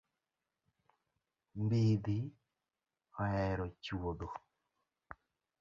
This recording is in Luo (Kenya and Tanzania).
Mbidhi oero chuodho .